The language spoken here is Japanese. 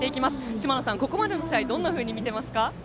島野さん、ここまでの試合どう見ていますか。